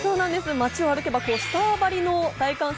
街を歩けばスターばりの大歓声。